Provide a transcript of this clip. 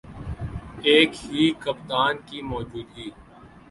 ایک ہی کپتان کی موجودگی